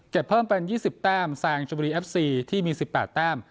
เก็บเพิ่มเป็นยี่สิบแต้มแซงจุบุรีเอฟซีที่มีสิบแปดแต้ม